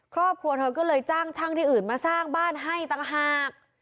ครอบครัวเธอก็เลยจ้างช่างที่อื่นมาสร้างบ้านให้ต่างหาก